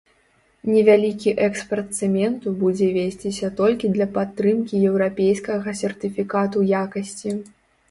Невялікі экспарт цэменту будзе весціся толькі для падтрымкі еўрапейскага сертыфікату якасці.